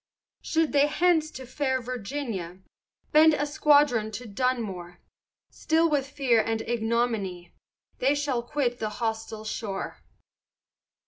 Should they thence to fair Virginia, Bend a squadron to Dunmore, Still with fear and ignominy, They shall quit the hostile shore.